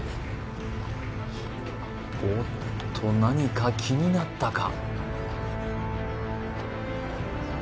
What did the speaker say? おっと何か気になったか？